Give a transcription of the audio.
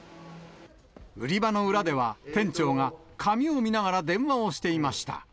売り場の裏では、店長が紙を見ながら電話をしていました。